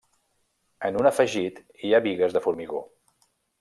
En un afegit hi ha bigues de formigó.